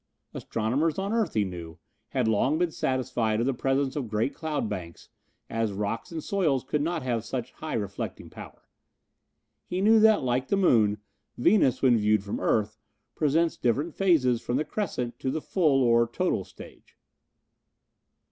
Astronomers on earth, he knew, had long been satisfied of the presence of great cloud banks, as rocks and soils could not have such high reflecting power. He knew that like the moon, Venus, when viewed from the earth, presents different phases from the crescent to the full or total stage.